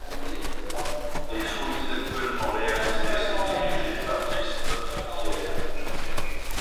Les fouilles actuellement réalisées sont dirigées par Christophe Thiers.